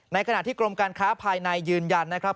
ในขณะที่กรมการค้าภายในยืนยันนะครับ